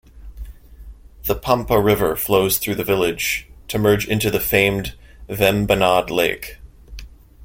The Pampa river flows through the village to merge into the famed Vembanad Lake.